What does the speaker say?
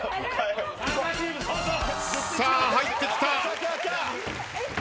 さあ入ってきた。